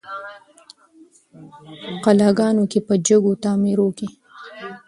قلاګانو کي په جګو تعمیرو کي